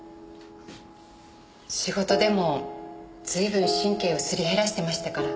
仕事でも随分神経をすり減らしてましたから。